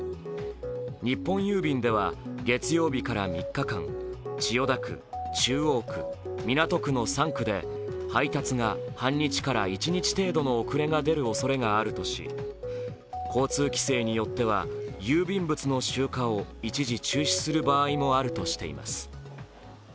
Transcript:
日本郵便では月曜日から３日間、千代田区、中央区、港区の３区で配達が半日から一日程度の遅れが出るとし交通規制によっては郵便物の集荷を一時中止する場合もあるとしています。